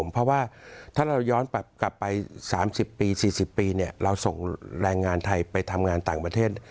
เพราะว่าถ้าเราย้อนกลับไป๓๐ปี๔๐ปีเราส่งแรงงานไทยไปทำงานต่างประเทศ